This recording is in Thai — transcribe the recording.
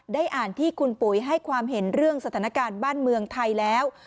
ได้อ่านที่คุณปุ๋ยให้ความเห็นเรื่องสถานการณ์บ้านเมืองไทยแล้ว